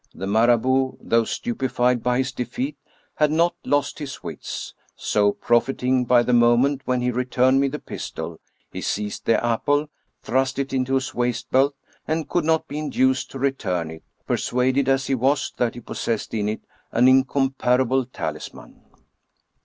The Marabout, though stupefied by his defeat, had 230 Af. Roberi'Haudtn not lost his wits ; so, profiting by the moment when he re turned me the pistol, he seized the apple, thrust it into his waist belt, and could not be induced to return it, persuaded as he was that he possessed in it an incomparable talisman.